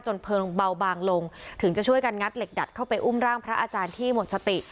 เพลิงเบาบางลงถึงจะช่วยกันงัดเหล็กดัดเข้าไปอุ้มร่างพระอาจารย์ที่หมดสติ